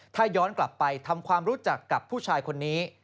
ถ้าย้อนกลับไปทำความรู้จักกับผู้ชายคนนี้